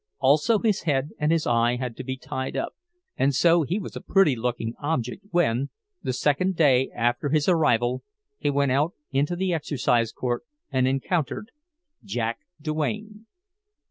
Also his head and his eye had to be tied up—and so he was a pretty looking object when, the second day after his arrival, he went out into the exercise court and encountered—Jack Duane!